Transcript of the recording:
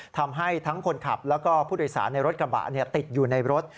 ทำให้ทั้งคนขับแล้วก็ผู้โดยสารในรถกระบะติดอยู่ในรถ